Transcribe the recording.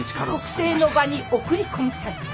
国政の場に送り込みたい。